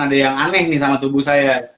ada yang aneh nih sama tubuh saya